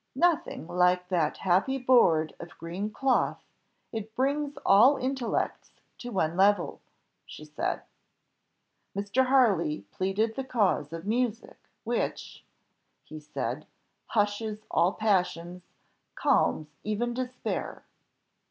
"Nothing like that happy board of green cloth; it brings all intellects to one level," she said. Mr. Harley pleaded the cause of music, which, he said, hushes all passions, calms even despair.